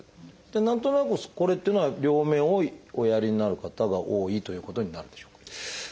何となくこれっていうのは両目をおやりになる方が多いということになるんでしょうか？